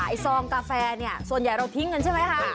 ไอซองกาแฟส่วนใหญ่เราพิ้งกันใช่ไหม